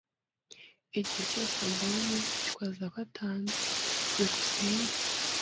Igihe cyose ambonye, yitwaza ko atanzi. byukusenge